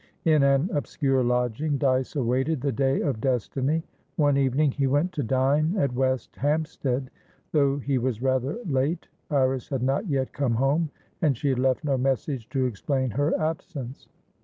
In an obscure lodging, Dyce awaited the day of destiny. One evening he went to dine at West Hampstead; though he was rather late, Iris had not yet come home, and she had left no message to explain her absence.